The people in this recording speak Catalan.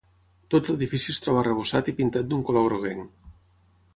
Tot l'edifici es troba arrebossat i pintat d'un color groguenc.